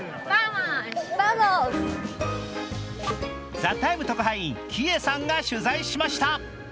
「ＴＨＥＴＩＭＥ，」特派員Ｋｉｅさんが取材しました。